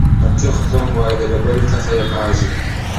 که چوخ ځم وايي د ډبرۍ څخه يې کاږي.